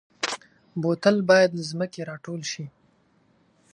بوتل باید له ځمکې راټول شي.